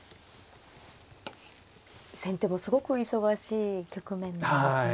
先手もすごく忙しい局面なんですね。